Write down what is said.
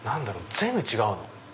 全部違うの。